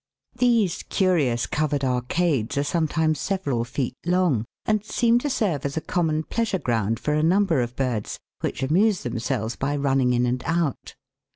These curious covered 212 THE WORLD'S LUMBER ROOM. arcades are sometimes several feet long, and seem to serve as a common pleasure ground for a number of birds, which amuse themselves by running in and out.